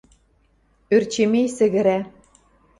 — Ӧрчемей сӹгӹрӓ.